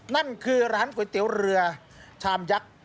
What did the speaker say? นั่นคือร้านก๋วยเตี๋ยวเรือชามยักษ์